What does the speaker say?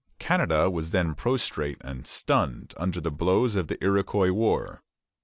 Canada was then prostrate and stunned under the blows of the Iroquois war.